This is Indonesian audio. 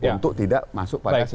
untuk tidak masuk pada situasi ini